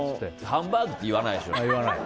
ハンバーグって言わないでしょ。